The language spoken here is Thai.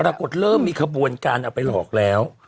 ปรากฏเริ่มมีขบวนการออกไปหลอกแล้ว